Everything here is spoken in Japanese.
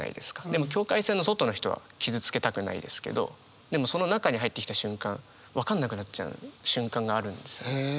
でも境界線の外の人は傷つけたくないですけどでもその中に入ってきた瞬間分かんなくなっちゃう瞬間があるんですよね。